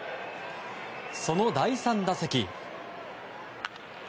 その第３打席。